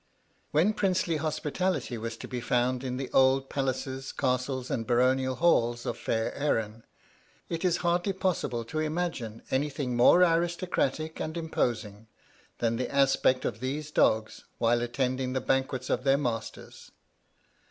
When princely hospitality was to be found in the old palaces, castles, and baronial halls of fair Erin, it is hardly possible to imagine anything more aristocratic and imposing than the aspect of these dogs, while attending the banquets of their masters.